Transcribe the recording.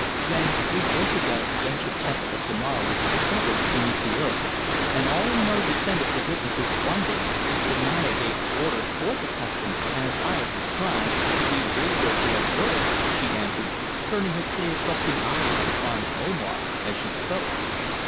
"When, three years ago the ancient Temple of Zomara was discovered beneath the earth and all in Mo descended to witness its wonders, the Naya gave orders for the custom, as I have described, to be rigorously observed," she answered, turning her clear, trusting eyes upon Omar as she spoke.